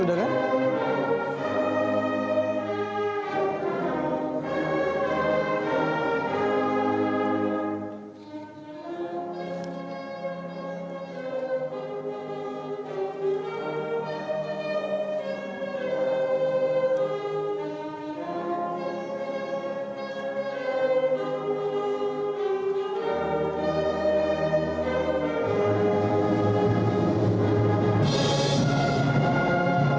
lagu kebangsaan indonesia raya